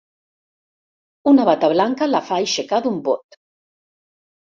Una bata blanca la fa aixecar d'un bot.